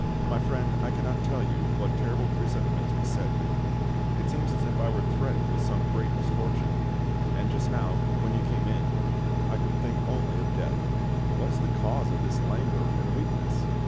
My friend, I cannot tell you what terrible presentiments beset me; it seems as if I were threatened with some great misfortune; and just now, when you came in, I could think only of death. What is the cause of this languor and weakness?